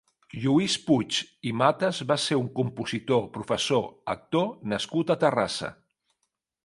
Lluís Puig i Matas va ser un compositor, professor, actor nascut a Terrassa.